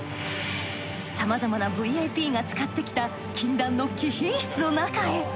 さまざまなＶＩＰが使ってきた禁断の貴賓室の中へ。